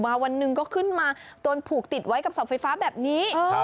วันหนึ่งก็ขึ้นมาโดนผูกติดไว้กับเสาไฟฟ้าแบบนี้